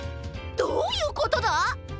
どういうことだ！？